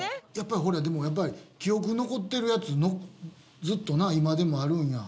でもやっぱり記憶残ってるやつずっとな今でもあるんや。